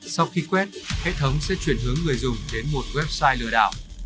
sau khi quét hệ thống sẽ chuyển hướng người dùng đến một website lừa đảo